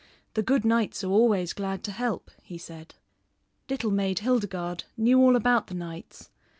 The good knights are always glad to help," he said. Little Maid Hildegarde knew all about the knights.